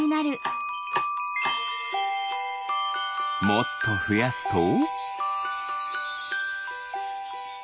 もっとふやすと。